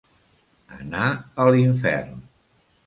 Anar a l'infern.